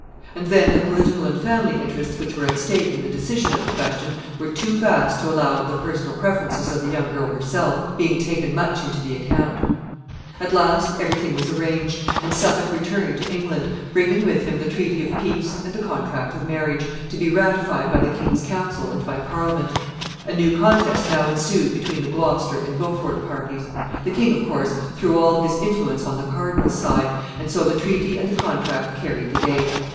And then the political and family interests which were at stake in the decision of the question were too vast to allow of the personal preferences of the young girl herself being taken much into the account. [Sidenote: The affair finally settled.] At last every thing was arranged, and Suffolk returned to England, bringing with him the treaty of peace and the contract of marriage, to be ratified by the king's council and by Parliament. A new contest now ensued between the Gloucester and Beaufort parties. The king, of course, threw all his influence on the cardinal's side, and so the treaty and the contract carried the day.